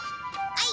はい。